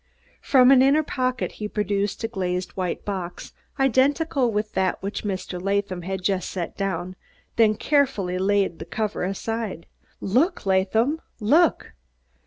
From an inner pocket he produced a glazed white box, identical with that which Mr. Latham had just set down, then carefully laid the cover aside. "Look, Laadham, look!"